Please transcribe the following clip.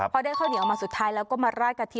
พอได้ข้าวเหนียวมาสุดท้ายแล้วก็มาราดกะทิ